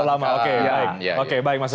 lama oke baik oke baik mas